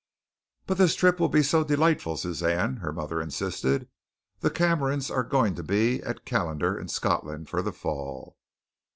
"But this trip will be so delightful, Suzanne," her mother insisted. "The Camerons are to be at Callendar in Scotland for the fall.